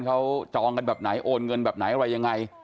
เขาจองกันแบบไหนโอนเงินแบบไหนอะไรยังไง